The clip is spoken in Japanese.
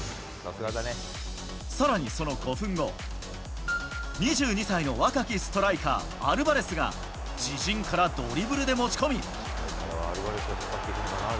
さらにその５分後、２２歳の若きストライカー、アルバレスが、自陣からドリブルで持ち込み。